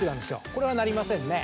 これはなりませんね